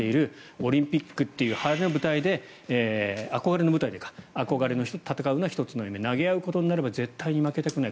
オリンピックという憧れの舞台で憧れの人と戦うのは１つの夢投げ合うことになれば絶対に負けたくない。